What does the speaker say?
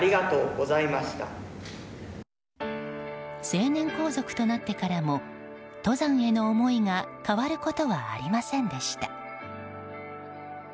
成年皇族となってからも登山への思いが変わることはありませんでした。